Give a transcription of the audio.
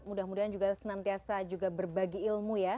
mudah mudahan juga senantiasa juga berbagi ilmu ya